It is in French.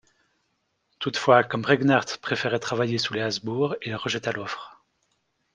Toutefois, comme Regnart préférait travailler sous les Habsbourg, il rejeta l’offre.